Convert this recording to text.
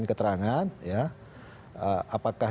keterangan ya apakah